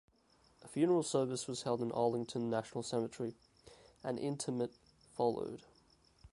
A funeral service was held in Arlington National Cemetery, and interment followed.